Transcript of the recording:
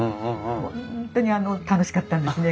本当に楽しかったんですね。